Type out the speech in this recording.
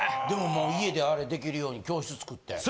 でも家であれできるように教室作って。